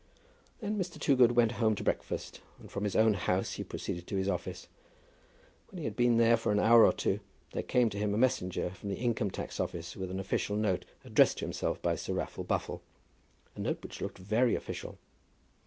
Then Mr. Toogood went home to breakfast, and from his own house he proceeded to his office. When he had been there an hour or two, there came to him a messenger from the Income tax Office, with an official note addressed to himself by Sir Raffle Buffle, a note which looked to be very official.